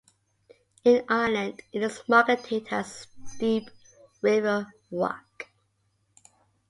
In Ireland, it is marketed as Deep River Rock.